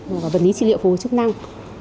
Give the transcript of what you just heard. và vận lý trị liệu phù hợp chức năng